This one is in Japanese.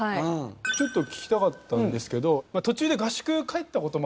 ちょっと聞きたかったんですけど。